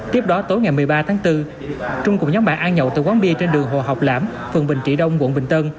tiếp đó tối ngày một mươi ba tháng bốn trung cùng nhóm bạn ăn nhậu từ quán bia trên đường hồ học lãm phường bình trị đông quận bình tân